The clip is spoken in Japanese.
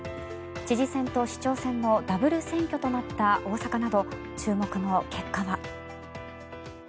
知事選と市長選のダブル選挙となった大阪など注目の結果は。